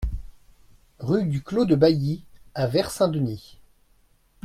Rue du Clos de Bailly à Vert-Saint-Denis